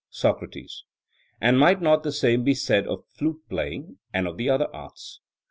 SOCRATES: And might not the same be said of flute playing, and of the other arts?